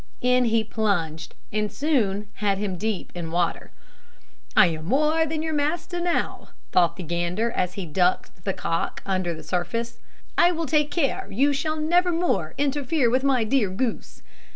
In he plunged, and soon had him in deep water. "I am more than your master now," thought the gander, as he ducked the cock under the surface; "I will take care you shall never more interfere with my dear goose."